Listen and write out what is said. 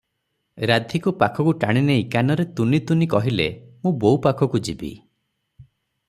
ରାଧୀକୁ ପାଖକୁ ଟାଣି ନେଇ କାନରେ ତୁନି ତୁନି କହିଲେ, "ମୁଁ ବୋଉ ପାଖକୁ ଯିବି ।"